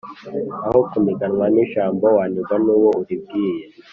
Aho kuniganwa ijambo wanigwa n’uwo uribwiye